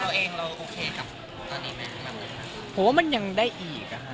เพราะว่ามันยังได้อีก